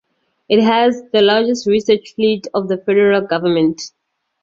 It has the largest research fleet of the Federal government.